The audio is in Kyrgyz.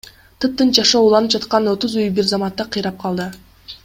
Тыптынч жашоо уланып жаткан отуз үй бир заматта кыйрап калды.